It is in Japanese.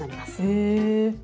へえ。